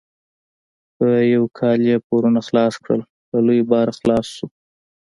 په یو کال یې پورونه خلاص کړل؛ له لوی باره خلاص شو.